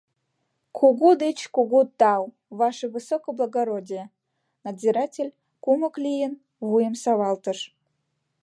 — Кугу деч кугу тау, ваше высокоблагородие, — надзиратель, кумык лийын, вуйым савалтыш.